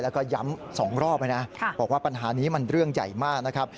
แล้วก็ย้ำ๒รอบนะบอกว่าปัญหานี้มันเรื่องใหญ่มากนะครับ